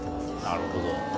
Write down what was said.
なるほど。